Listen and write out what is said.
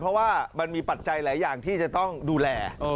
เพราะว่ามันมีปัจจัยหลายอย่างที่จะต้องดูแล